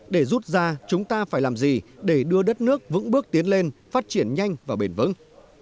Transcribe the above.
để rút ra chúng ta phải làm gì để đưa đất nước vững bước tiến lên phát triển nhanh và bền vững